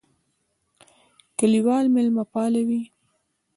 کلیوال مېلمهپاله وي.